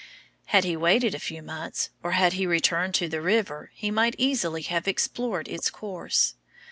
Had he waited a few months, or had he returned to the river, he might easily have explored its course.